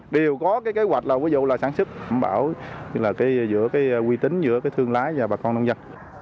đều có cái kế hoạch là ví dụ là sản xuất bảo giữa quy tính giữa thương lái và bà con nông dân